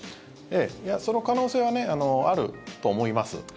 その可能性はあると思います。